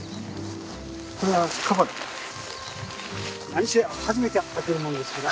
何せ初めて開けるものですから。